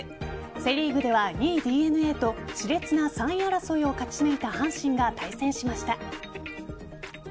セ・リーグでは２位・ＤｅＮＡと熾烈な３位争いを勝ち抜いた阪神が対戦しました。